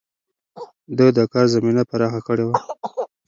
ده د کار زمينه پراخه کړې وه.